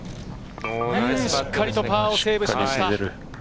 しっかりとパーをセーブしました。